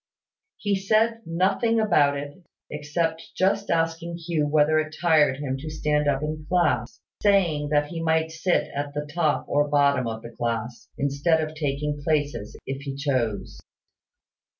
He said nothing about it, except just asking Hugh whether it tired him to stand up in class, saying that he might sit at the top or bottom of the class, instead of taking places, if he chose.